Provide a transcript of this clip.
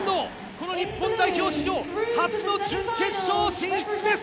この日本代表史上初の準決勝進出です。